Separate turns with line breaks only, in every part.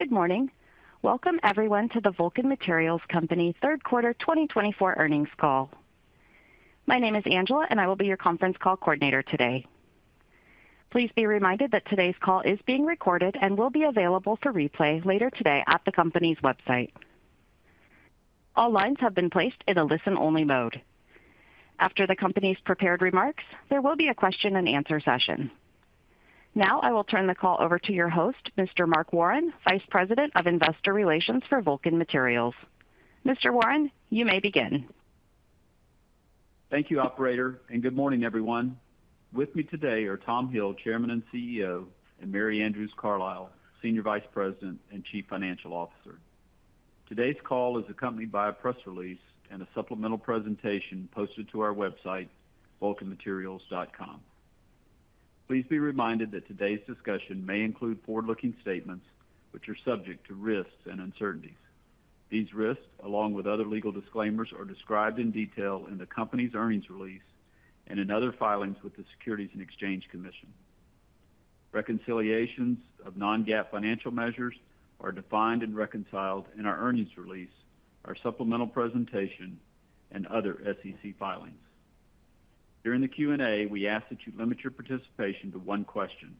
Good morning. Welcome, everyone, to the Vulcan Materials Company third quarter 2024 earnings call. My name is Angela, and I will be your conference call coordinator today. Please be reminded that today's call is being recorded and will be available for replay later today at the company's website. All lines have been placed in a listen-only mode. After the company's prepared remarks, there will be a question-and-answer session. Now, I will turn the call over to your host, Mr. Mark Warren, Vice President of Investor Relations for Vulcan Materials. Mr. Warren, you may begin.
Thank you, Operator, and good morning, everyone. With me today are Tom Hill, Chairman and CEO, and Mary Andrews Carlisle, Senior Vice President and Chief Financial Officer. Today's call is accompanied by a press release and a supplemental presentation posted to our website, vulcanmaterials.com. Please be reminded that today's discussion may include forward-looking statements, which are subject to risks and uncertainties. These risks, along with other legal disclaimers, are described in detail in the company's earnings release and in other filings with the Securities and Exchange Commission. Reconciliations of non-GAAP financial measures are defined and reconciled in our earnings release, our supplemental presentation, and other SEC filings. During the Q&A, we ask that you limit your participation to one question.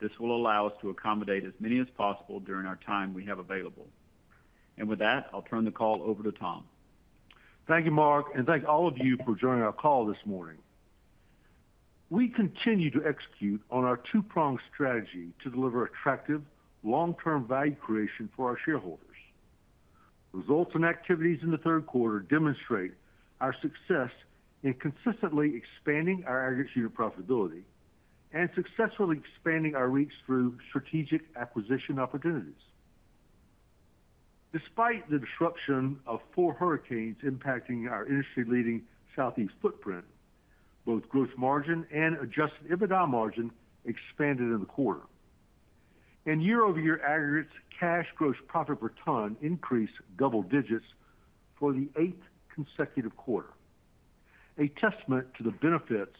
This will allow us to accommodate as many as possible during our time we have available. And with that, I'll turn the call over to Tom.
Thank you, Mark, and thank all of you for joining our call this morning. We continue to execute on our two-pronged strategy to deliver attractive, long-term value creation for our shareholders. Results and activities in the third quarter demonstrate our success in consistently expanding our aggregates unit of profitability and successfully expanding our reach through strategic acquisition opportunities. Despite the disruption of four hurricanes impacting our industry-leading Southeast footprint, both gross margin and Adjusted EBITDA margin expanded in the quarter, and year-over-year aggregates cash gross profit per ton increased double digits for the eighth consecutive quarter, a testament to the benefits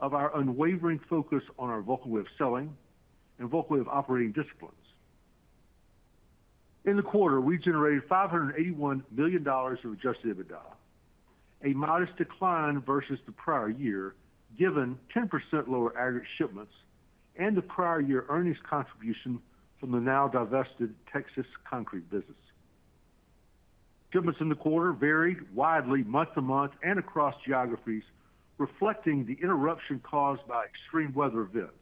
of our unwavering focus on our Vulcan Way of Selling and Vulcan Way of Operating disciplines. In the quarter, we generated $581 million of Adjusted EBITDA, a modest decline versus the prior year given 10% lower aggregate shipments and the prior year earnings contribution from the now-divested Texas concrete business. Shipments in the quarter varied widely month to month and across geographies, reflecting the interruption caused by extreme weather events.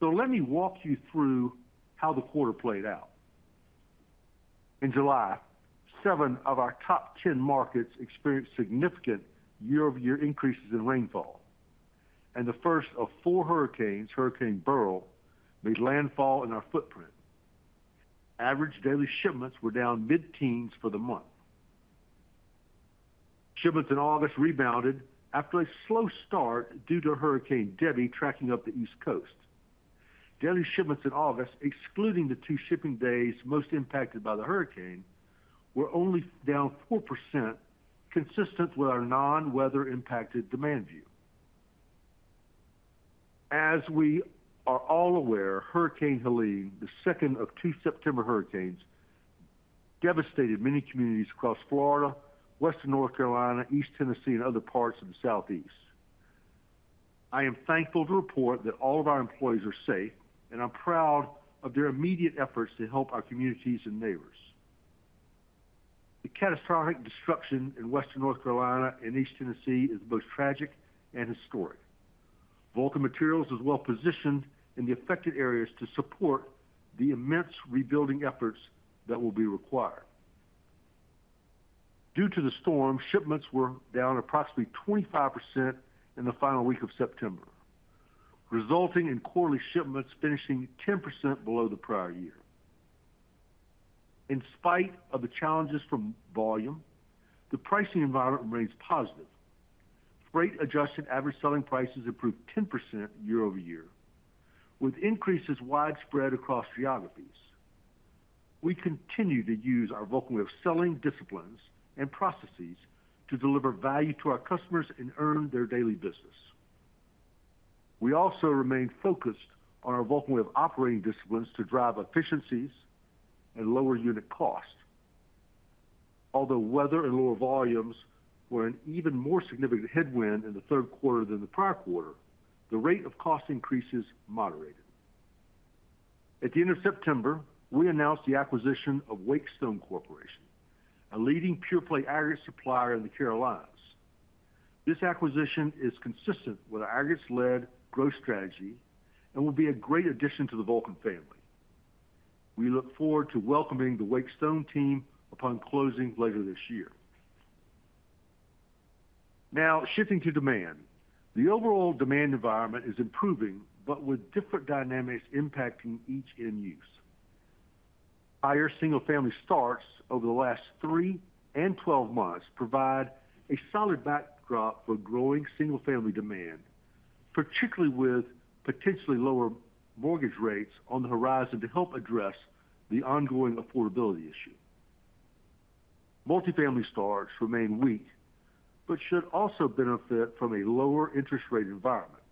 Let me walk you through how the quarter played out. In July, seven of our top 10 markets experienced significant year-over-year increases in rainfall. The first of four hurricanes, Hurricane Beryl, made landfall in our footprint. Average daily shipments were down mid-teens for the month. Shipments in August rebounded after a slow start due to Hurricane Debby tracking up the East Coast. Daily shipments in August, excluding the two shipping days most impacted by the hurricane, were only down 4%, consistent with our non-weather impacted demand view. As we are all aware, Hurricane Helene, the second of two September hurricanes, devastated many communities across Florida, Western North Carolina, East Tennessee, and other parts of the Southeast. I am thankful to report that all of our employees are safe, and I'm proud of their immediate efforts to help our communities and neighbors. The catastrophic destruction in Western North Carolina and East Tennessee is both tragic and historic. Vulcan Materials is well positioned in the affected areas to support the immense rebuilding efforts that will be required. Due to the storm, shipments were down approximately 25% in the final week of September, resulting in quarterly shipments finishing 10% below the prior year. In spite of the challenges from volume, the pricing environment remains positive. Freight adjusted average selling prices improved 10% year-over-year, with increases widespread across geographies. We continue to use our Vulcan Way of Selling disciplines and processes to deliver value to our customers and earn their daily business. We also remain focused on our Vulcan Way of Operating disciplines to drive efficiencies and lower unit cost. Although weather and lower volumes were an even more significant headwind in the third quarter than the prior quarter, the rate of cost increases moderated. At the end of September, we announced the acquisition of Wake Stone Corporation, a leading pure-play aggregate supplier in the Carolinas. This acquisition is consistent with our aggregate-led growth strategy and will be a great addition to the Vulcan family. We look forward to welcoming the Wake Stone team upon closing later this year. Now, shifting to demand, the overall demand environment is improving, but with different dynamics impacting each end use. Higher single-family starts over the last three and twelve months provide a solid backdrop for growing single-family demand, particularly with potentially lower mortgage rates on the horizon to help address the ongoing affordability issue. Multifamily starts remain weak but should also benefit from a lower interest rate environment.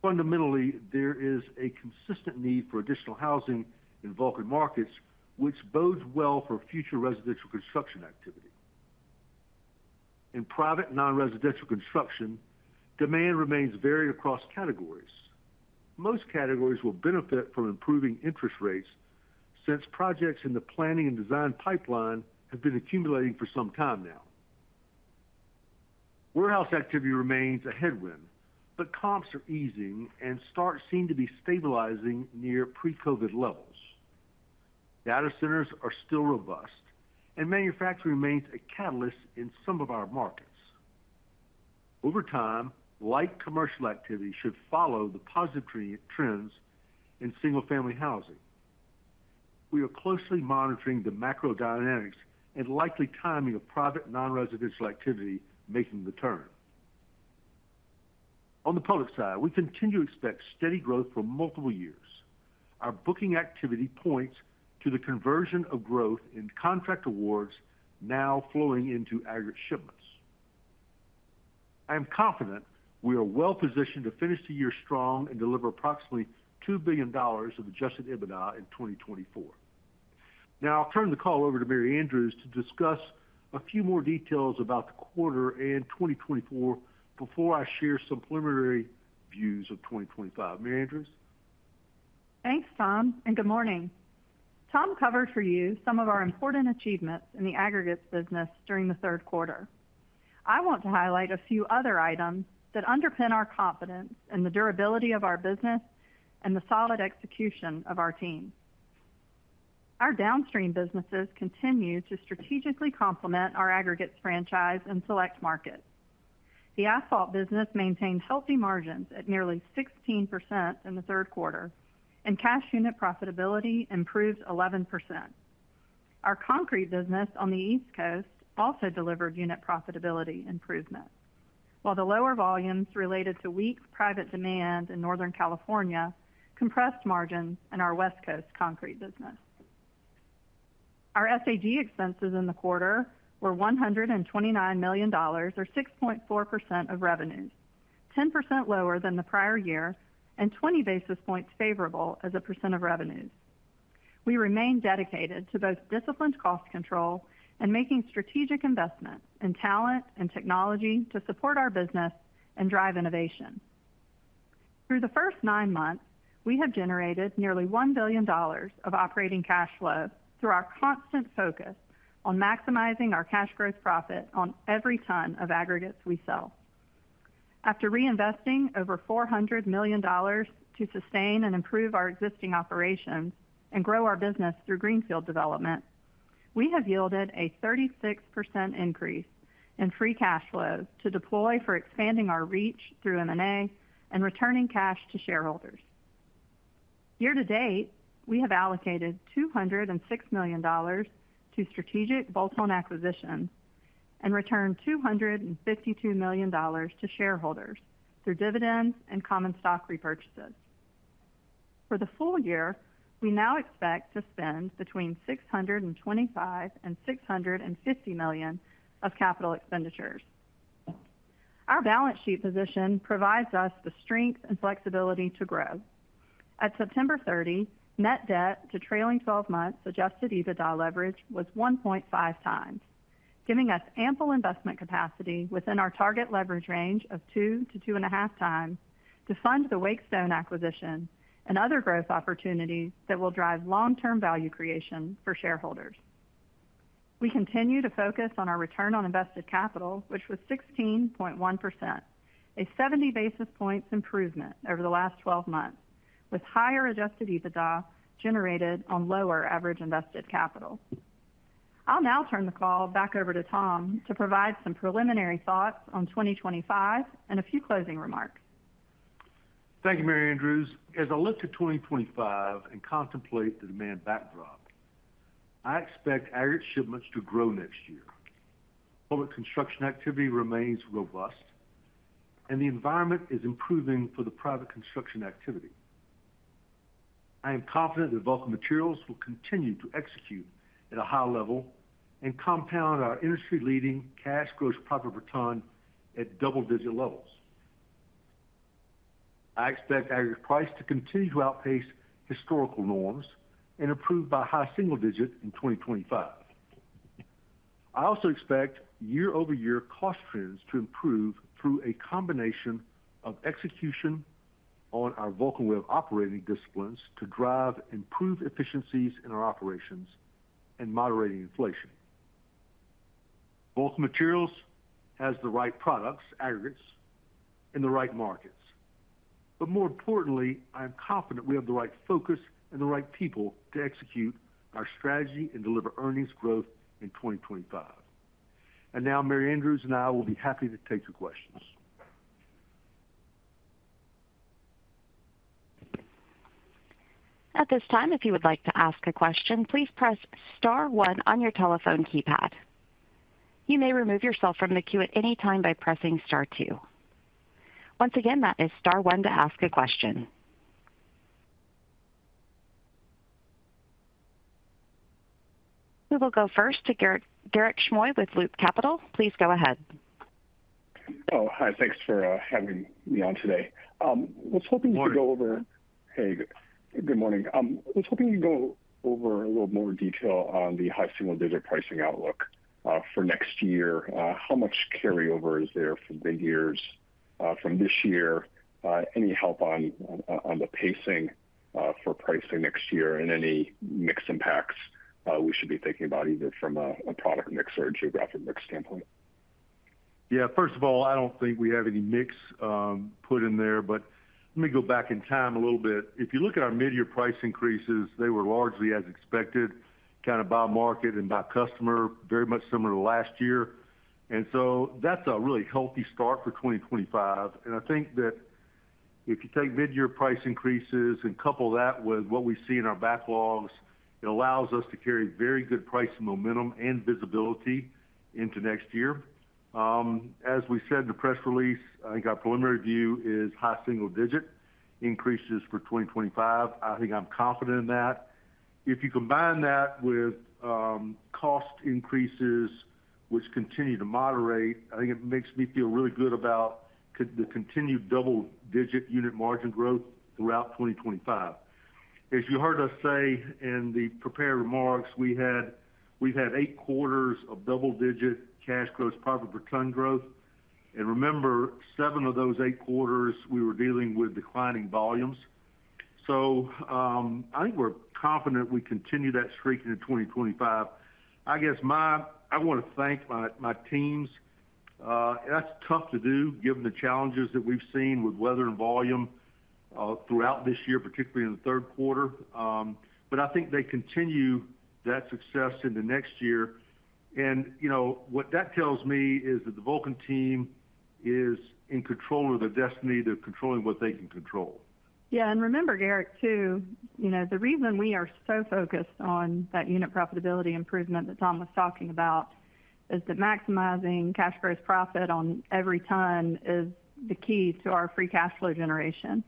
Fundamentally, there is a consistent need for additional housing in Vulcan markets, which bodes well for future residential construction activity. In private non-residential construction, demand remains varied across categories. Most categories will benefit from improving interest rates since projects in the planning and design pipeline have been accumulating for some time now. Warehouse activity remains a headwind, but comps are easing and starts seem to be stabilizing near pre-COVID levels. Data centers are still robust, and manufacturing remains a catalyst in some of our markets. Over time, light commercial activity should follow the positive trends in single-family housing. We are closely monitoring the macro dynamics and likely timing of private non-residential activity making the turn. On the public side, we continue to expect steady growth for multiple years. Our booking activity points to the conversion of growth in contract awards now flowing into aggregate shipments. I am confident we are well positioned to finish the year strong and deliver approximately $2 billion of adjusted EBITDA in 2024. Now, I'll turn the call over to Mary Andrews to discuss a few more details about the quarter and 2024 before I share some preliminary views of 2025. Mary Andrews?
Thanks, Tom, and good morning. Tom covered for you some of our important achievements in the aggregate business during the third quarter. I want to highlight a few other items that underpin our confidence in the durability of our business and the solid execution of our team. Our downstream businesses continue to strategically complement our aggregate franchise and select markets. The asphalt business maintained healthy margins at nearly 16% in the third quarter, and cash unit profitability improved 11%. Our concrete business on the East Coast also delivered unit profitability improvements, while the lower volumes related to weak private demand in Northern California compressed margins in our West Coast concrete business. Our SAG expenses in the quarter were $129 million, or 6.4% of revenues, 10% lower than the prior year and 20 basis points favorable as a percent of revenues. We remain dedicated to both disciplined cost control and making strategic investments in talent and technology to support our business and drive innovation. Through the first nine months, we have generated nearly $1 billion of operating cash flow through our constant focus on maximizing our cash gross profit on every ton of aggregates we sell. After reinvesting over $400 million to sustain and improve our existing operations and grow our business through greenfield development, we have yielded a 36% increase in free cash flow to deploy for expanding our reach through M&A and returning cash to shareholders. Year to date, we have allocated $206 million to strategic Vulcan acquisitions and returned $252 million to shareholders through dividends and common stock repurchases. For the full year, we now expect to spend between $625 million and $650 million of capital expenditures. Our balance sheet position provides us the strength and flexibility to grow. At September 30, net debt to trailing 12 months adjusted EBITDA leverage was 1.5x, giving us ample investment capacity within our target leverage range of 2x-2.5x to fund the Wake Stone acquisition and other growth opportunities that will drive long-term value creation for shareholders. We continue to focus on our return on invested capital, which was 16.1%, a 70 basis points improvement over the last 12 months, with higher adjusted EBITDA generated on lower average invested capital. I'll now turn the call back over to Tom to provide some preliminary thoughts on 2025 and a few closing remarks.
Thank you, Mary Andrews. As I look to 2025 and contemplate the demand backdrop, I expect aggregate shipments to grow next year. Public construction activity remains robust, and the environment is improving for the private construction activity. I am confident that Vulcan Materials will continue to execute at a high level and compound our industry-leading cash gross profit per ton at double-digit levels. I expect aggregate price to continue to outpace historical norms and improve by a high single digit in 2025. I also expect year-over-year cost trends to improve through a combination of execution on our Vulcan Way of Operating disciplines to drive improved efficiencies in our operations and moderating inflation. Vulcan Materials has the right products, aggregates, in the right markets. But more importantly, I am confident we have the right focus and the right people to execute our strategy and deliver earnings growth in 2025. Now, Mary Andrews and I will be happy to take your questions.
At this time, if you would like to ask a question, please press Star one on your telephone keypad. You may remove yourself from the queue at any time by pressing Star two. Once again, that is Star one to ask a question. We will go first to Garik Shmois with Loop Capital. Please go ahead.
Oh, hi. Thanks for having me on today. I was hoping to go over—hey, good morning. I was hoping to go over a little more detail on the high single-digit pricing outlook for next year. How much carryover is there for mid-years from this year? Any help on the pacing for pricing next year and any mixed impacts we should be thinking about, either from a product mix or a geographic mix standpoint?
Yeah. First of all, I don't think we have any mix put in there, but let me go back in time a little bit. If you look at our mid-year price increases, they were largely as expected, kind of by market and by customer, very much similar to last year, and so that's a really healthy start for 2025, and I think that if you take mid-year price increases and couple that with what we see in our backlogs, it allows us to carry very good price momentum and visibility into next year. As we said in the press release, I think our preliminary view is high single-digit increases for 2025. I think I'm confident in that. If you combine that with cost increases, which continue to moderate, I think it makes me feel really good about the continued double-digit unit margin growth throughout 2025. As you heard us say in the prepared remarks, we've had eight quarters of double-digit cash gross profit per ton growth. And remember, seven of those eight quarters, we were dealing with declining volumes. So I think we're confident we continue that streak into 2025. I guess I want to thank my teams. That's tough to do, given the challenges that we've seen with weather and volume throughout this year, particularly in the third quarter. But I think they continue that success into next year. And what that tells me is that the Vulcan team is in control of their destiny. They're controlling what they can control.
Yeah. And remember, Garrett, too, the reason we are so focused on that unit profitability improvement that Tom was talking about is that maximizing cash gross profit on every ton is the key to our free cash flow generation.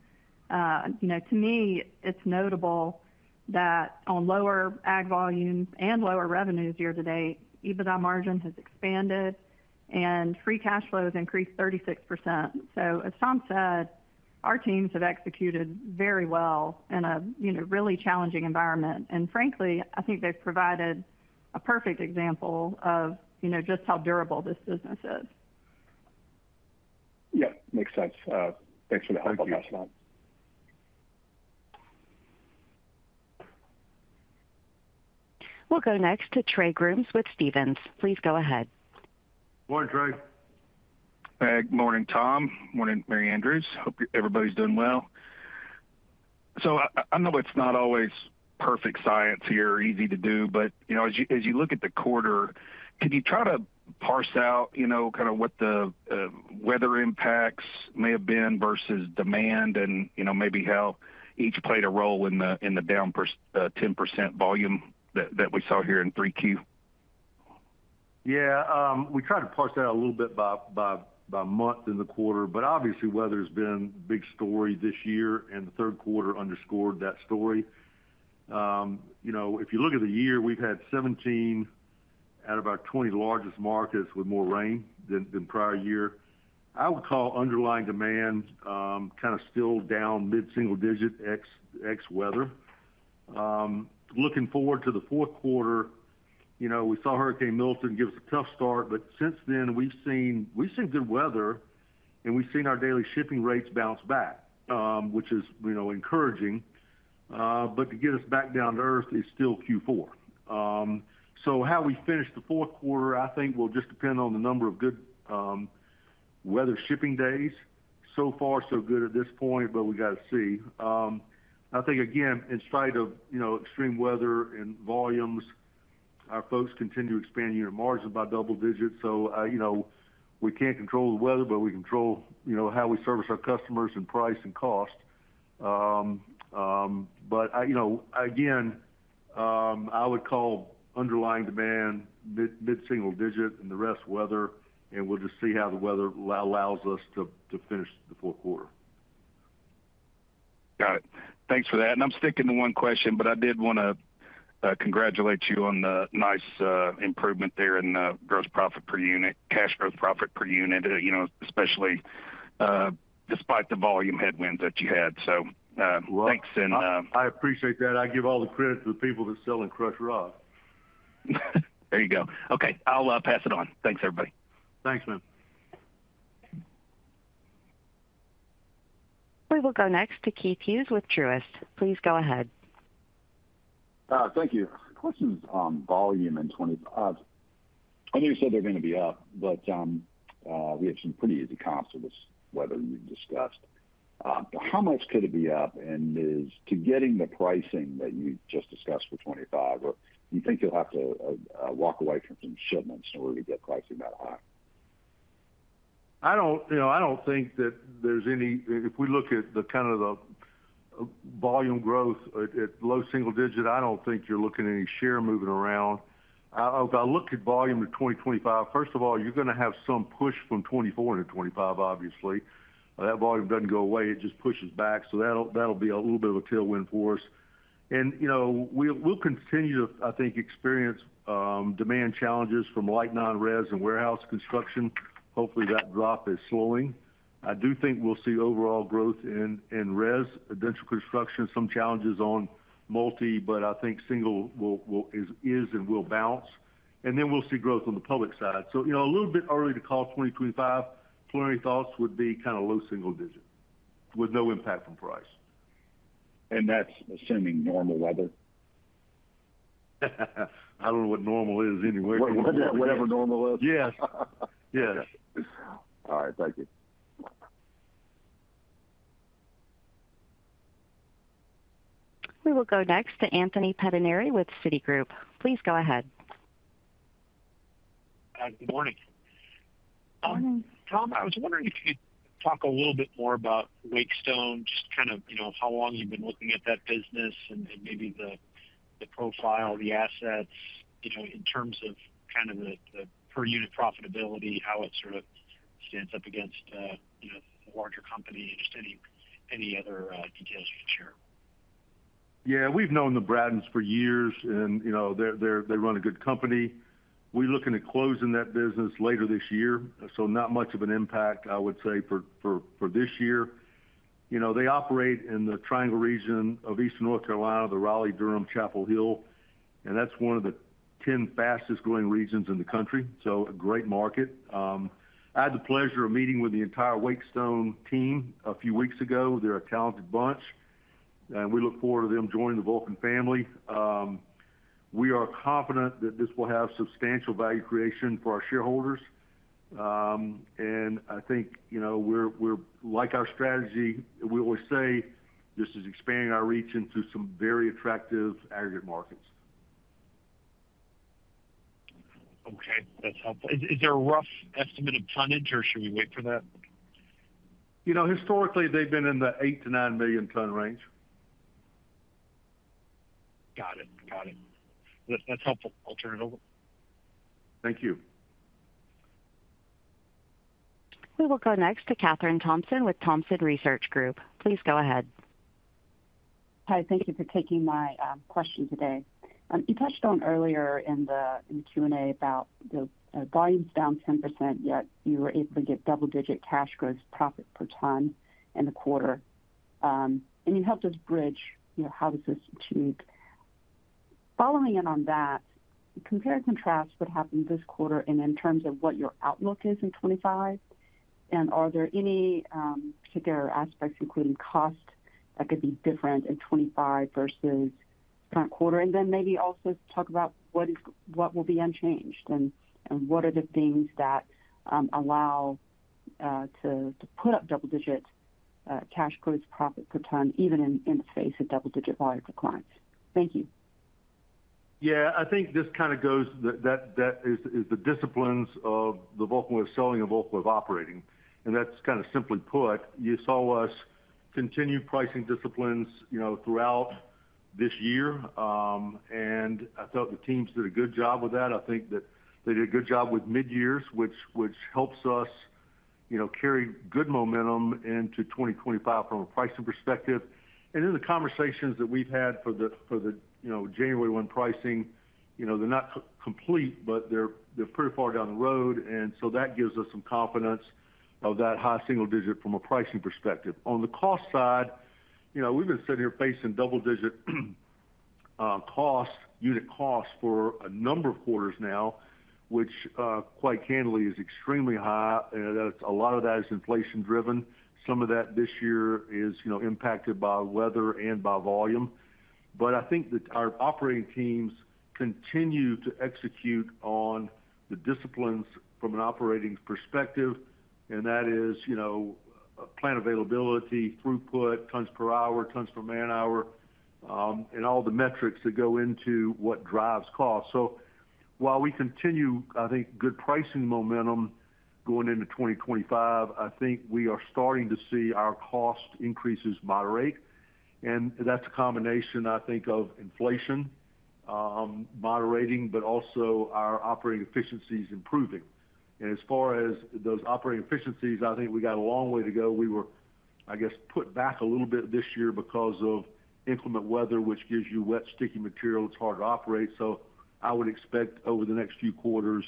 To me, it's notable that on lower ag volumes and lower revenues year to date, EBITDA margin has expanded and free cash flow has increased 36%. So as Tom said, our teams have executed very well in a really challenging environment. And frankly, I think they've provided a perfect example of just how durable this business is.
Yeah. Makes sense. Thanks for the help on that slide.
We'll go next to Trey Grooms with Stephens. Please go ahead.
Morning, Trey.
Morning, Tom. Morning, Mary Andrews. Hope everybody's doing well. So I know it's not always perfect science here or easy to do, but as you look at the quarter, can you try to parse out kind of what the weather impacts may have been versus demand and maybe how each played a role in the down 10% volume that we saw here in three Q?
Yeah. We try to parse that a little bit by month in the quarter, but obviously, weather has been a big story this year, and the third quarter underscored that story. If you look at the year, we've had 17 out of our 20 largest markets with more rain than prior year. I would call underlying demand kind of still down mid-single-digit ex-weather. Looking forward to the fourth quarter, we saw Hurricane Milton give us a tough start, but since then, we've seen good weather, and we've seen our daily shipping rates bounce back, which is encouraging. But to get us back down to earth is still Q4. So how we finish the fourth quarter, I think, will just depend on the number of good weather shipping days. So far, so good at this point, but we got to see. I think, again, in spite of extreme weather and volumes, our folks continue to expand unit margin by double digits. So we can't control the weather, but we control how we service our customers and price and cost. But again, I would call underlying demand mid-single digit and the rest weather, and we'll just see how the weather allows us to finish the fourth quarter.
Got it. Thanks for that. And I'm sticking to one question, but I did want to congratulate you on the nice improvement there in cash gross profit per unit, especially despite the volume headwinds that you had. So thanks.
I appreciate that. I give all the credit to the people that sell crushed rock.
There you go. Okay. I'll pass it on. Thanks, everybody.
Thanks, man.
We will go next to Keith Hughes with Truist. Please go ahead.
Thank you. Questions on volume in 2025. I know you said they're going to be up, but we have some pretty easy comps with this weather you've discussed. How much could it be up? And as to getting the pricing that you just discussed for 2025, do you think you'll have to walk away from some shipments in order to get pricing that high?
I don't think that there's any, if we look at the kind of the volume growth at low single digit, I don't think you're looking at any share moving around. If I look at volume in 2025, first of all, you're going to have some push from 2024 into 2025, obviously. That volume doesn't go away. It just pushes back. So that'll be a little bit of a tailwind for us, and we'll continue, I think, to experience demand challenges from light non-res and warehouse construction. Hopefully, that drop is slowing. I do think we'll see overall growth in res and non-res construction, some challenges on multi, but I think single-family will bounce, and then we'll see growth on the public side. So it's a little bit early to call 2025. Preliminary thoughts would be kind of low single digit with no impact from price.
That's assuming normal weather?
I don't know what normal is anywhere.
Whatever normal is.
Yes. Yes.
All right. Thank you.
We will go next to Anthony Pettinari with Citigroup. Please go ahead.
Good morning.
Good morning. Tom, I was wondering if you could talk a little bit more about Wake Stone, just kind of how long you've been looking at that business and maybe the profile, the assets in terms of kind of the per unit profitability, how it sort of stands up against a larger company, and just any other details you can share.
Yeah. We've known the Brattons for years, and they run a good company. We're looking at closing that business later this year, so not much of an impact, I would say, for this year. They operate in the triangle region of eastern North Carolina, the Raleigh, Durham, Chapel Hill, and that's one of the 10 fastest growing regions in the country. So a great market. I had the pleasure of meeting with the entire Wake Stone team a few weeks ago. They're a talented bunch, and we look forward to them joining the Vulcan family. We are confident that this will have substantial value creation for our shareholders. I think I like our strategy. We always say this is expanding our reach into some very attractive aggregate markets.
Okay. That's helpful. Is there a rough estimate of tonnage, or should we wait for that?
Historically, they've been in the 8 million ton-9 million ton range.
Got it. Got it. That's helpful. I'll turn it over.
Thank you.
We will go next to Kathryn Thompson with Thompson Research Group. Please go ahead.
Hi. Thank you for taking my question today. You touched on earlier in the Q&A about the volume's down 10%, yet you were able to get double-digit cash gross profit per ton in the quarter, and you helped us bridge how this is achieved. Following up on that, compare and contrast what happened this quarter in terms of what your outlook is in 2025, and are there any particular aspects, including cost, that could be different in 2025 versus current quarter? And then maybe also talk about what will be unchanged and what are the things that allow to put up double-digit cash gross profit per ton, even in the face of double-digit volume declines? Thank you.
Yeah. I think this kind of goes—that is the disciplines of the Vulcan Way of Selling and Vulcan Way of Operating. And that's kind of simply put, you saw us continue pricing disciplines throughout this year, and I thought the teams did a good job with that. I think that they did a good job with mid-years, which helps us carry good momentum into 2025 from a pricing perspective. And in the conversations that we've had for the January 1 pricing, they're not complete, but they're pretty far down the road. And so that gives us some confidence of that high single-digit from a pricing perspective. On the cost side, we've been sitting here facing double-digit unit costs for a number of quarters now, which, quite candidly, is extremely high. A lot of that is inflation-driven. Some of that this year is impacted by weather and by volume. But I think that our operating teams continue to execute on the disciplines from an operating perspective, and that is plant availability, throughput, tons per hour, tons per man-hour, and all the metrics that go into what drives cost. So while we continue, I think, good pricing momentum going into 2025, I think we are starting to see our cost increases moderate. And that's a combination, I think, of inflation moderating, but also our operating efficiencies improving. And as far as those operating efficiencies, I think we got a long way to go. We were, I guess, put back a little bit this year because of inclement weather, which gives you wet, sticky material. It's hard to operate. So I would expect over the next few quarters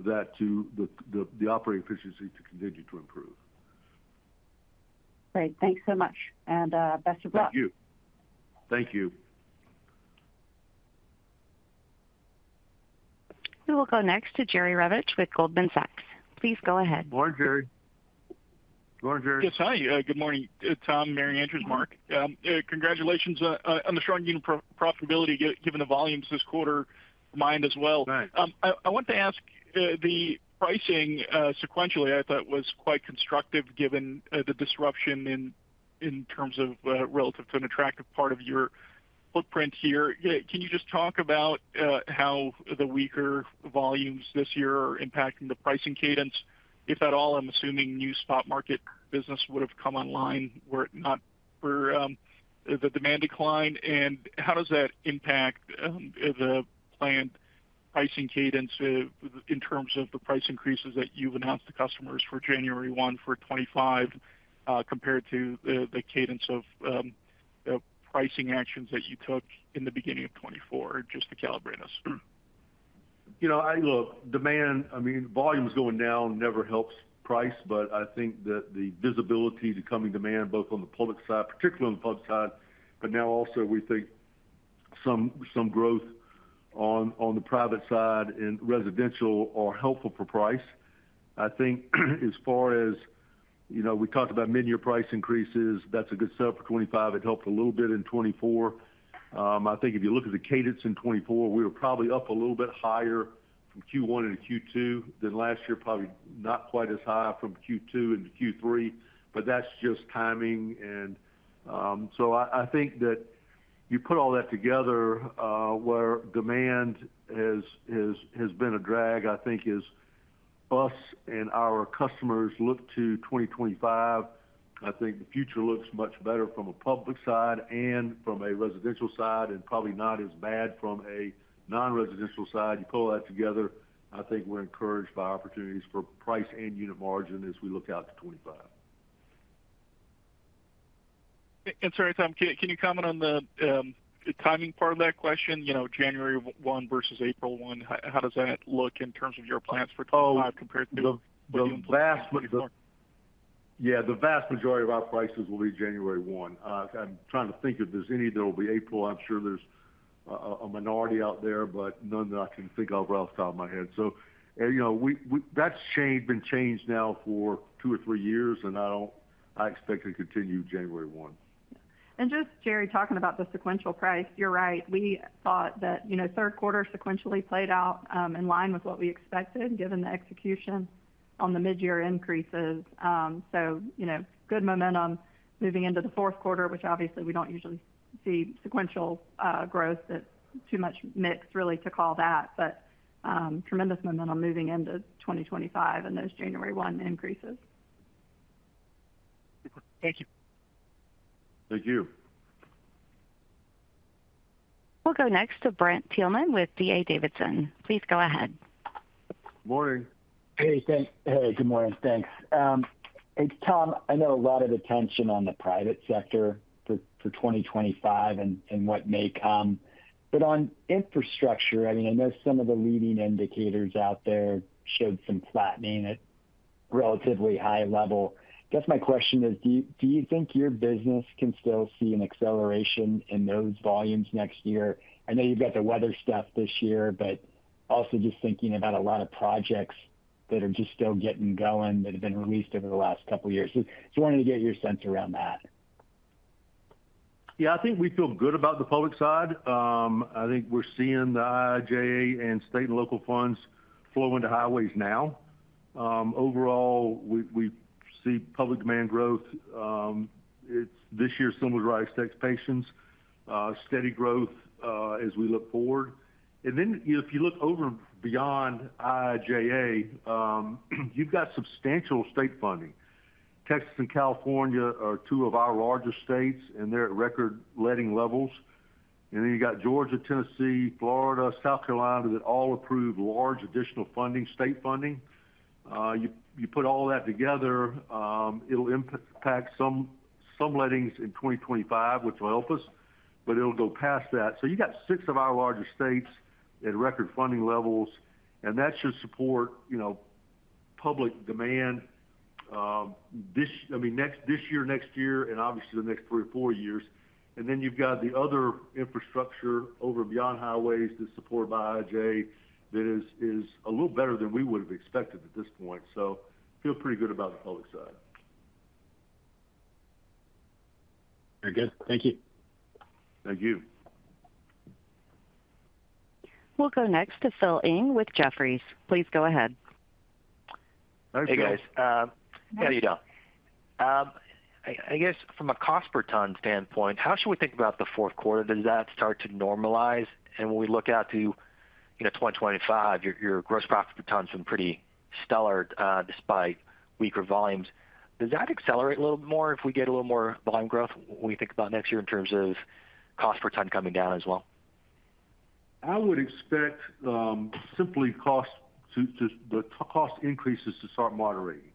that the operating efficiency to continue to improve.
Great. Thanks so much, and best of luck.
Thank you. Thank you.
We will go next to Jerry Revich with Goldman Sachs. Please go ahead.
Morning, Jerry. Morning, Jerry.
Yes, hi. Good morning, Tom Hill, Mary Andrews Carlisle, Mark Warren. Congratulations on the strong unit profitability, given the volumes this quarter of mine as well. I want to ask the pricing sequentially. I thought it was quite constructive given the disruption in terms of relative to an attractive part of your footprint here. Can you just talk about how the weaker volumes this year are impacting the pricing cadence? If at all, I'm assuming new spot market business would have come online were it not for the demand decline. And how does that impact the planned pricing cadence in terms of the price increases that you've announced to customers for January 1, 2025 compared to the cadence of pricing actions that you took in the beginning of 2024, just to calibrate us?
Look, demand. I mean, volume is going down never helps price, but I think that the visibility to coming demand, both on the public side, particularly on the public side, but now also we think some growth on the private side and residential are helpful for price. I think as far as we talked about mid-year price increases, that's a good sell for 2025. It helped a little bit in 2024. I think if you look at the cadence in 2024, we were probably up a little bit higher from Q1 into Q2 than last year, probably not quite as high from Q2 into Q3, but that's just timing. So I think that you put all that together where demand has been a drag, I think, is us and our customers look to 2025. I think the future looks much better from a public side and from a residential side and probably not as bad from a non-residential side. You pull that together, I think we're encouraged by opportunities for price and unit margin as we look out to 2025.
Sorry, Tom, can you comment on the timing part of that question? January 1 versus April 1, how does that look in terms of your plans for 2025 compared to what you envisioned for 2024?
Yeah. The vast majority of our prices will be January 1. I'm trying to think if there's any that will be April. I'm sure there's a minority out there, but none that I can think of right off the top of my head. So that's been changed now for two or three years, and I expect to continue January 1.
And just, Jerry, talking about the sequential price, you're right. We thought that third quarter sequentially played out in line with what we expected, given the execution on the mid-year increases. So good momentum moving into the fourth quarter, which obviously we don't usually see sequential growth, that too much mix really to call that, but tremendous momentum moving into 2025 and those January 1 increases.
Thank you.
Thank you.
We'll go next to Brent Thielman with D.A. Davidson. Please go ahead.
Morning.
Hey. Hey. Good morning. Thanks. Hey, Tom, I know a lot of attention on the private sector for 2025 and what may come. But on infrastructure, I mean, I know some of the leading indicators out there showed some flattening at relatively high level. I guess my question is, do you think your business can still see an acceleration in those volumes next year? I know you've got the weather stuff this year, but also just thinking about a lot of projects that are just still getting going that have been released over the last couple of years. Just wanted to get your sense around that.
Yeah. I think we feel good about the public side. I think we're seeing the IIJA and state and local funds flow into highways now. Overall, we see public demand growth. This year, some of the right expectations, steady growth as we look forward. And then if you look over and beyond IIJA, you've got substantial state funding. Texas and California are two of our largest states, and they're at record-leading levels. And then you've got Georgia, Tennessee, Florida, South Carolina that all approved large additional funding, state funding. You put all that together, it'll impact some lettings in 2025, which will help us, but it'll go past that. So you've got six of our largest states at record funding levels, and that should support public demand, I mean, next year, next year, and obviously the next three or four years. And then you've got the other infrastructure over and beyond highways that's supported by IIJA that is a little better than we would have expected at this point. So feel pretty good about the public side.
Very good. Thank you.
Thank you.
We'll go next to Phil Ng with Jefferies. Please go ahead.
Thanks, guys. Hey, guys. How are you doing? I guess from a cost per ton standpoint, how should we think about the fourth quarter? Does that start to normalize? And when we look out to 2025, your gross profit per ton has been pretty stellar despite weaker volumes. Does that accelerate a little bit more if we get a little more volume growth when we think about next year in terms of cost per ton coming down as well?
I would expect simply the cost increases to start moderating.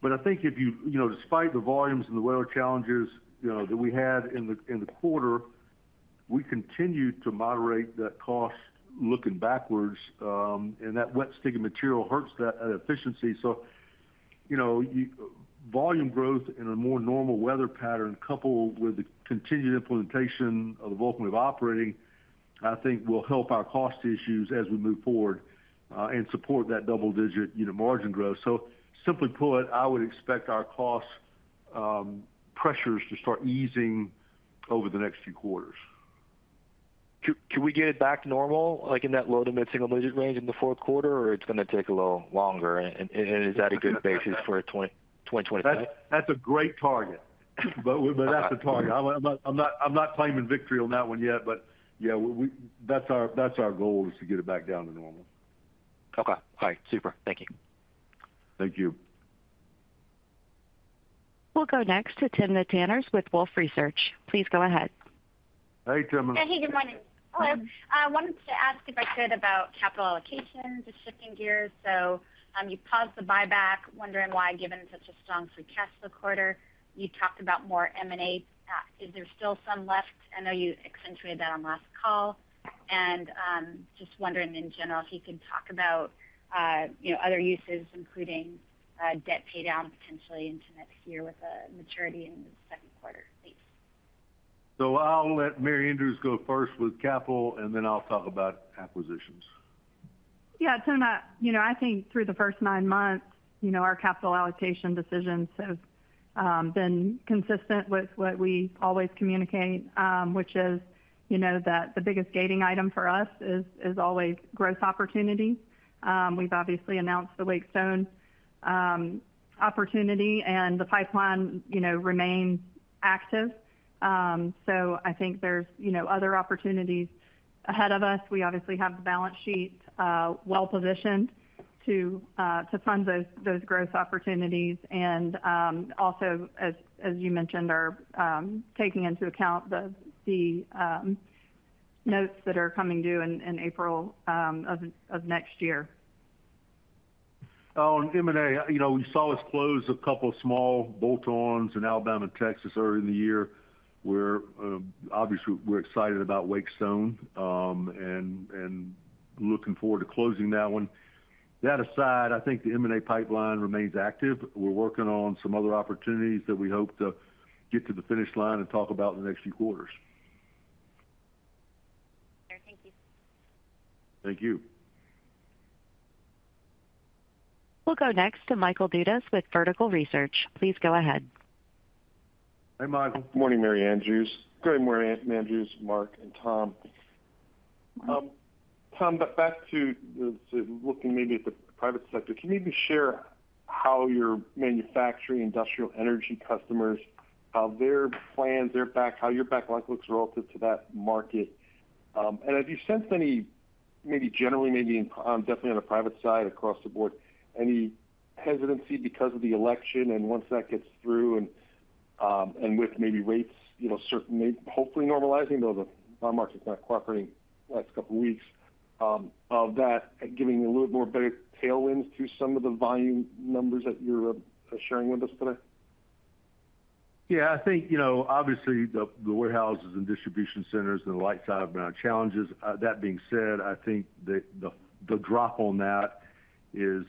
But I think if you, despite the volumes and the weather challenges that we had in the quarter, we continue to moderate that cost looking backwards, and that wet, sticky material hurts that efficiency. So volume growth in a more normal weather pattern, coupled with the continued implementation of the Vulcan Way of Operating, I think will help our cost issues as we move forward and support that double-digit margin growth. So simply put, I would expect our cost pressures to start easing over the next few quarters.
Can we get it back to normal, like in that low to mid-single digit range in the fourth quarter, or it's going to take a little longer? And is that a good basis for 2025?
That's a great target, but that's the target. I'm not claiming victory on that one yet, but yeah, that's our goal, is to get it back down to normal.
Okay. All right. Super. Thank you.
Thank you.
We'll go next to Timna Tanners with Wolfe Research. Please go ahead.
Hey, Tim.
Hey. Hey. Good morning. I wanted to ask if I could about capital allocation, just shifting gears. So you paused the buyback, wondering why, given such a strong forecast for quarter. You talked about more M&A. Is there still some left? I know you accentuated that on last call. And just wondering in general if you could talk about other uses, including debt paydown potentially into next year with maturity in the second quarter, please.
So I'll let Mary Andrews go first with capital, and then I'll talk about acquisitions.
Yeah. Tim, I think through the first nine months, our capital allocation decisions have been consistent with what we always communicate, which is that the biggest gating item for us is always gross opportunity. We've obviously announced the Wake Stone opportunity, and the pipeline remains active. So I think there's other opportunities ahead of us. We obviously have the balance sheet well-positioned to fund those growth opportunities. And also, as you mentioned, are taking into account the notes that are coming due in April of next year.
On M&A, we saw us close a couple of small bolt-ons in Alabama and Texas earlier in the year, where obviously we're excited about Wake Stone and looking forward to closing that one. That aside, I think the M&A pipeline remains active. We're working on some other opportunities that we hope to get to the finish line and talk about in the next few quarters.
Thank you.
Thank you.
We'll go next to Michael Dudas with Vertical Research. Please go ahead.
Hey, Michael.
Good morning, Mary Andrews. Good morning, Mary Andrews, Mark, and Tom. Tom, back to looking maybe at the private sector. Can you maybe share how your manufacturing industrial energy customers, how their plans, how your backlog looks relative to that market? And have you sensed any maybe generally, maybe definitely on the private side across the board, any hesitancy because of the election and once that gets through and with maybe rates certainly hopefully normalizing, though the bond market's not cooperating the last couple of weeks, of that giving a little bit more better tailwinds to some of the volume numbers that you're sharing with us today?
Yeah. I think obviously the warehouses and distribution centers and the light industrial amount of challenges. That being said, I think the drop on that is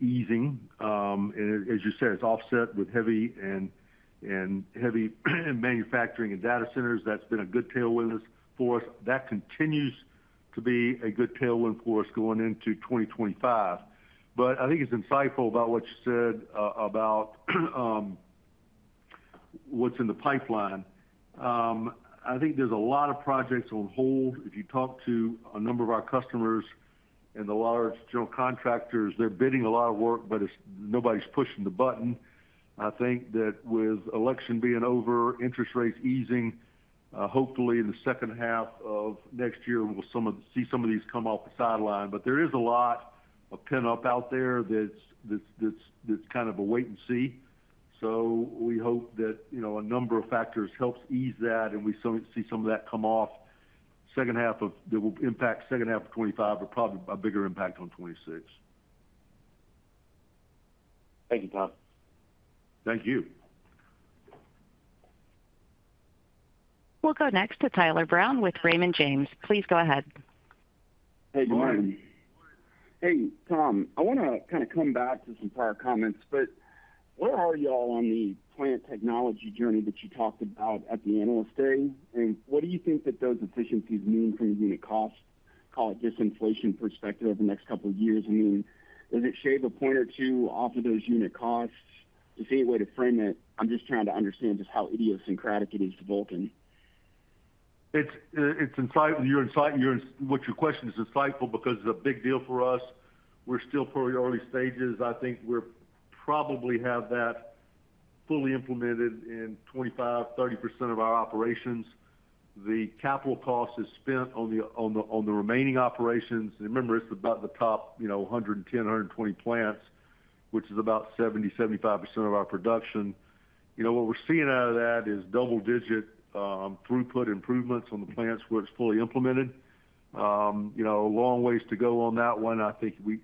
easing. And as you said, it's offset with heavy manufacturing and data centers. That's been a good tailwind for us. That continues to be a good tailwind for us going into 2025. But I think it's insightful about what you said about what's in the pipeline. I think there's a lot of projects on hold. If you talk to a number of our customers and the large general contractors, they're bidding a lot of work, but nobody's pushing the button. I think that with election being over, interest rates easing, hopefully in the second half of next year, we'll see some of these come off the sideline. But there is a lot of pent-up out there that's kind of a wait and see. So we hope that a number of factors helps ease that, and we see some of that come off second half of that will impact second half of 2025, but probably a bigger impact on 2026.
Thank you, Tom.
Thank you.
We'll go next to Tyler Brown with Raymond James. Please go ahead.
Hey. Good morning.
Hey, Tom. I want to kind of come back to some prior comments, but where are y'all on the plant technology journey that you talked about at the Analyst Day? And what do you think that those efficiencies mean from a unit cost, call it disinflation perspective, over the next couple of years? I mean, does it shave a point or two off of those unit costs? Just any way to frame it? I'm just trying to understand just how idiosyncratic it is to Vulcan.
Your question is insightful because it's a big deal for us. We're still pretty early stages. I think we probably have that fully implemented in 25%-30% of our operations. The capital cost is spent on the remaining operations, and remember, it's about the top 110-120 plants, which is about 70%-75% of our production. What we're seeing out of that is double-digit throughput improvements on the plants where it's fully implemented. A long ways to go on that one. I think we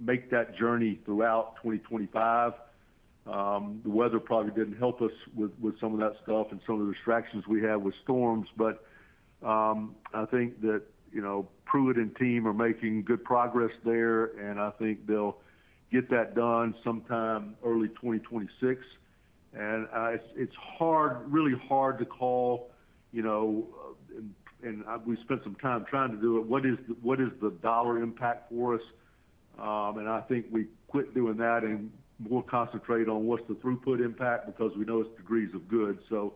make that journey throughout 2025. The weather probably didn't help us with some of that stuff and some of the distractions we had with storms, but I think that Pruitt and team are making good progress there, and I think they'll get that done sometime early 2026. And it's really hard to call, and we spent some time trying to do it, what is the dollar impact for us. And I think we quit doing that and more concentrate on what's the throughput impact because we know it's degrees of good. So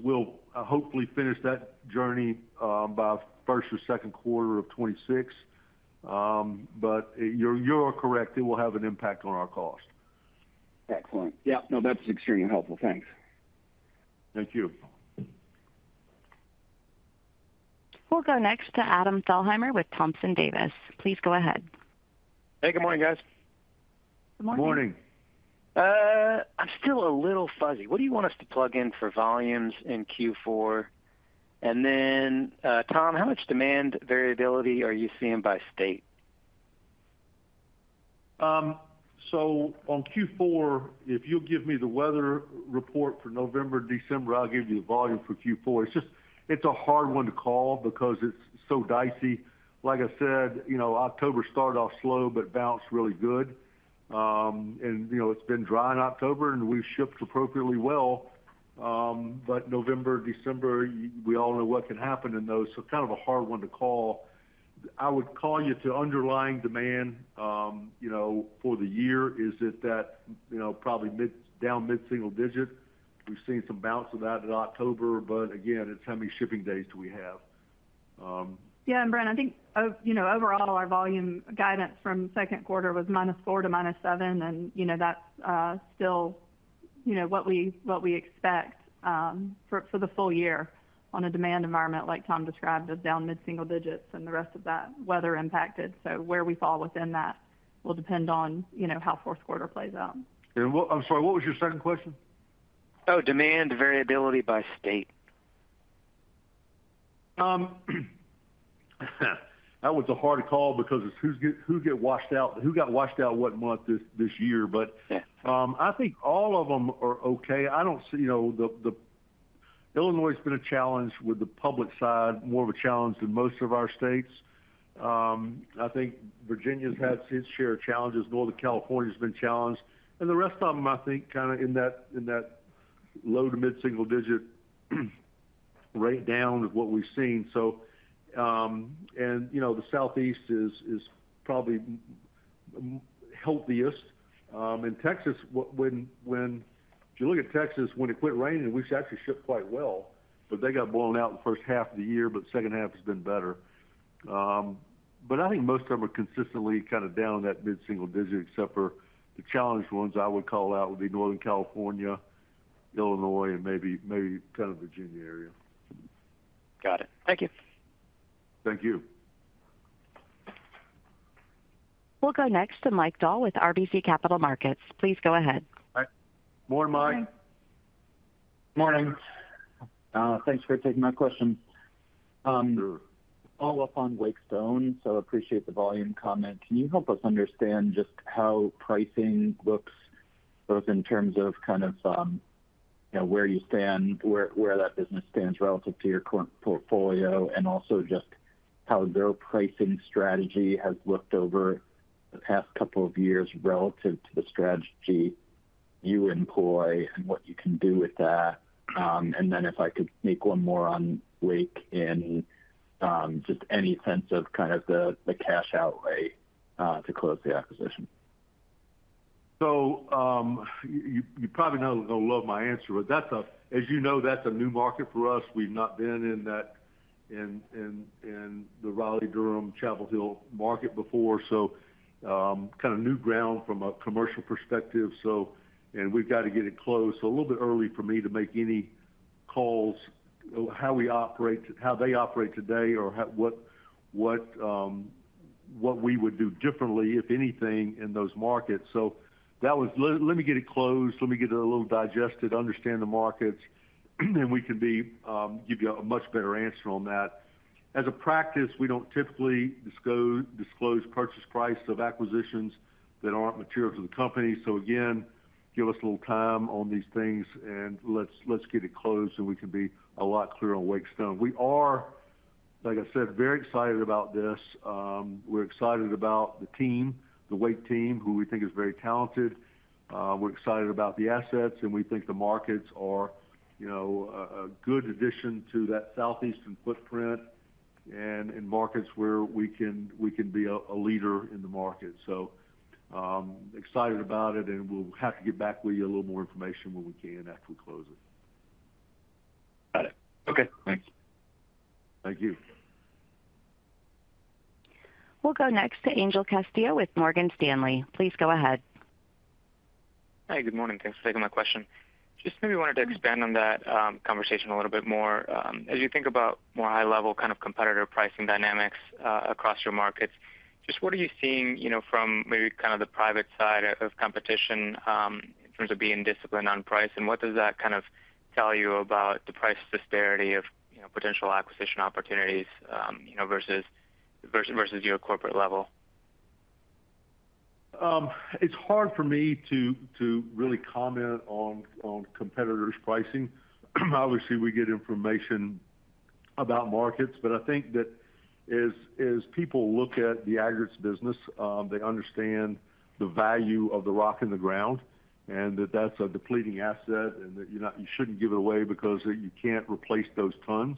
we'll hopefully finish that journey by first or second quarter of 2026. But you're correct. It will have an impact on our cost.
Excellent. Yeah. No, that's extremely helpful. Thanks.
Thank you.
We'll go next to Adam Thalhimer with Thompson Davis. Please go ahead.
Hey. Good morning, guys.
Good morning.
Good morning.
I'm still a little fuzzy. What do you want us to plug in for volumes in Q4? And then, Tom, how much demand variability are you seeing by state?
So on Q4, if you'll give me the weather report for November, December, I'll give you the volume for Q4. It's a hard one to call because it's so dicey. Like I said, October started off slow but bounced really good. And it's been dry in October, and we've shipped appropriately well. But November, December, we all know what can happen in those. So kind of a hard one to call. I would call you to underlying demand for the year. Is it that probably down mid-single digit? We've seen some bounce of that in October, but again, it's how many shipping days do we have?
Yeah. And Brent, I think overall our volume guidance from second quarter was minus four to minus seven, and that's still what we expect for the full year on a demand environment like Tom described of down mid-single digits and the rest of that weather impacted. So where we fall within that will depend on how fourth quarter plays out.
I'm sorry, what was your second question?
Oh, demand variability by state.
That was a hard call because who got washed out? Who got washed out what month this year? But I think all of them are okay. I don't see Illinois has been a challenge with the public side, more of a challenge than most of our states. I think Virginia's had its share of challenges. Northern California's been challenged. And the rest of them, I think, kind of in that low to mid-single digit right down is what we've seen. And the Southeast is probably healthiest. And Texas, if you look at Texas, when it quit raining, we actually shipped quite well, but they got blown out in the first half of the year, but the second half has been better. But I think most of them are consistently kind of down in that mid-single digit, except for the challenge ones I would call out would be Northern California, Illinois, and maybe kind of Virginia area.
Got it. Thank you.
Thank you.
We'll go next to Mike Dahl with RBC Capital Markets. Please go ahead.
Morning, Mike.
Morning.
Morning. Thanks for taking my question.
Sure.
Follow-up on Wake Stone, so I appreciate the volume comment. Can you help us understand just how pricing looks both in terms of kind of where you stand, where that business stands relative to your current portfolio, and also just how their pricing strategy has looked over the past couple of years relative to the strategy you employ and what you can do with that, and then if I could make one more on Wake in just any sense of kind of the cash outlay to close the acquisition.
You probably know I'm going to love my answer, but as you know, that's a new market for us. We've not been in the Raleigh, Durham, Chapel Hill market before, so kind of new ground from a commercial perspective. And we've got to get it closed. So a little bit early for me to make any calls how they operate today or what we would do differently, if anything, in those markets. So let me get it closed. Let me get it a little digested, understand the markets, and we can give you a much better answer on that. As a practice, we don't typically disclose purchase price of acquisitions that aren't material to the company. So again, give us a little time on these things, and let's get it closed, and we can be a lot clearer on Wake Stone. We are, like I said, very excited about this. We're excited about the team, the Wake team, who we think is very talented. We're excited about the assets, and we think the markets are a good addition to that Southeastern footprint and in markets where we can be a leader in the market. So excited about it, and we'll have to get back with you a little more information when we can after we close it.
Got it. Okay. Thanks.
Thank you.
We'll go next to Angel Castillo with Morgan Stanley. Please go ahead.
Hey. Good morning, thanks for taking my question. Just maybe wanted to expand on that conversation a little bit more. As you think about more high-level kind of competitor pricing dynamics across your markets, just what are you seeing from maybe kind of the private side of competition in terms of being disciplined on price? And what does that kind of tell you about the price disparity of potential acquisition opportunities versus your corporate level?
It's hard for me to really comment on competitors' pricing. Obviously, we get information about markets, but I think that as people look at the aggregates business, they understand the value of the rock in the ground and that that's a depleting asset and that you shouldn't give it away because you can't replace those tons.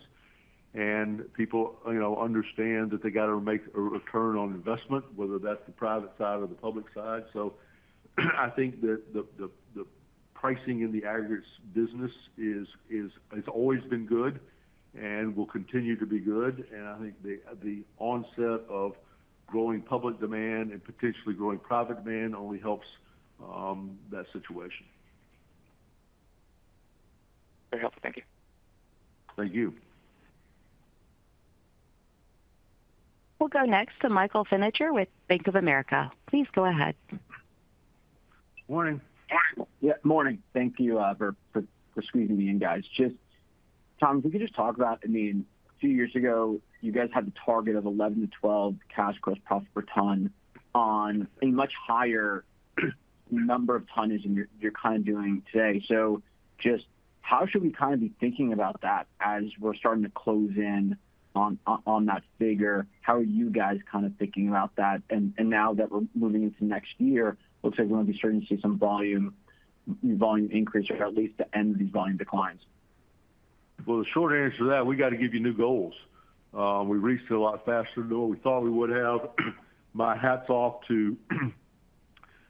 And people understand that they got to make a return on investment, whether that's the private side or the public side. So I think that the pricing in the aggregates business has always been good and will continue to be good. And I think the onset of growing public demand and potentially growing private demand only helps that situation.
Very helpful. Thank you.
Thank you.
We'll go next to Michael Feniger with Bank of America. Please go ahead.
Morning.
Morning.
Yeah. Morning. Thank you for squeezing me in, guys. Just, Tom, if we could just talk about, I mean, a few years ago, you guys had the target of $11-$12 cash gross profit per ton on a much higher number of tons than you're kind of doing today. So just how should we kind of be thinking about that as we're starting to close in on that figure? How are you guys kind of thinking about that? And now that we're moving into next year, it looks like we're going to be starting to see some volume increase or at least the end of these volume declines.
The short answer to that, we got to give you new goals. We've reached it a lot faster than what we thought we would have. Hats off to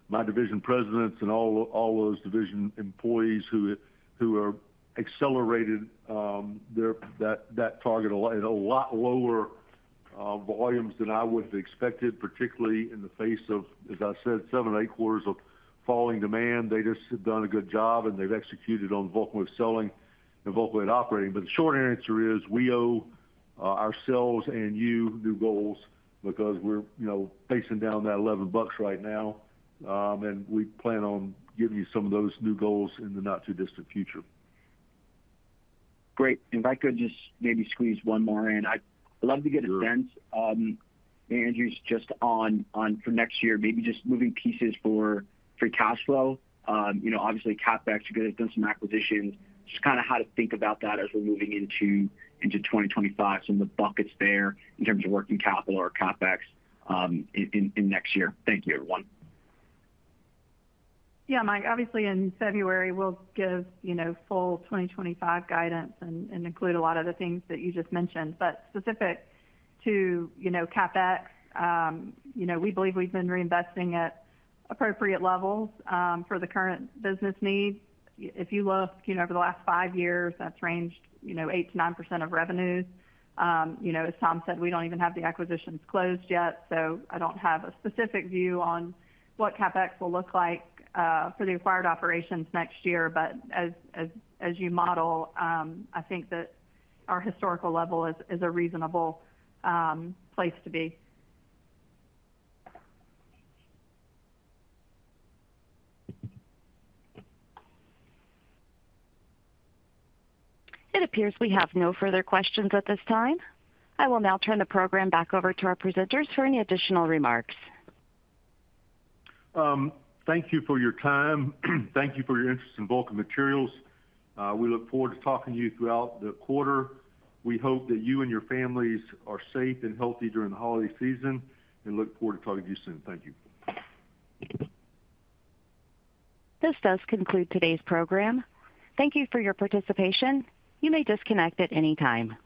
my division presidents and all those division employees who have accelerated that target in a lot lower volumes than I would have expected, particularly in the face of, as I said, seven or eight quarters of falling demand. They just have done a good job, and they've executed on Vulcan with selling and Vulcan with operating. The short answer is we owe ourselves and you new goals because we're facing down that $11 right now. We plan on giving you some of those new goals in the not-too-distant future.
Great. If I could just maybe squeeze one more in, I'd love to get a sense of Andrews just on for next year, maybe just moving pieces for cash flow. Obviously, CapEx, you guys have done some acquisitions. Just kind of how to think about that as we're moving into 2025, some of the buckets there in terms of working capital or CapEx in next year. Thank you, everyone.
Yeah, Mike. Obviously, in February, we'll give full 2025 guidance and include a lot of the things that you just mentioned. But specific to CapEx, we believe we've been reinvesting at appropriate levels for the current business needs. If you look over the last five years, that's ranged 8%-9% of revenues. As Tom said, we don't even have the acquisitions closed yet. So I don't have a specific view on what CapEx will look like for the acquired operations next year. But as you model, I think that our historical level is a reasonable place to be.
It appears we have no further questions at this time. I will now turn the program back over to our presenters for any additional remarks.
Thank you for your time. Thank you for your interest in Vulcan Materials. We look forward to talking to you throughout the quarter. We hope that you and your families are safe and healthy during the holiday season and look forward to talking to you soon. Thank you.
This does conclude today's program. Thank you for your participation. You may disconnect at any time.